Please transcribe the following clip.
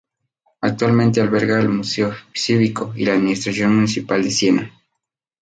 Actualmente alberga el Museo Civico y la administración municipal de Siena.